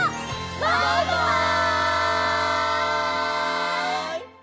バイバイ！